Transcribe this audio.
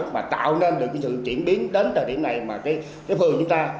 mà tạo nên được sự triển biến đến thời điểm này mà phường chúng ta